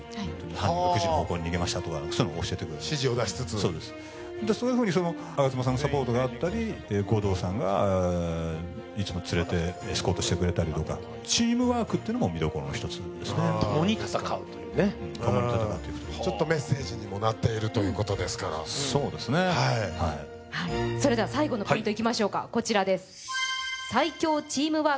犯人６時の方向に逃げましたとかそういうの教えてくれる指示を出しつつそうですでそういうふうに吾妻さんのサポートがあったり護道さんがいつも連れてエスコートしてくれたりとかチームワークっていうのも見どころの一つですね共に戦うというね共に戦っていくとそうですねはいそれでは最後のポイントいきましょうかこちらです